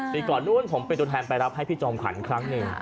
ปีก่อนนู้นผมเป็นตัวแทนไปรับให้พี่จอมขวัญครั้งหนึ่ง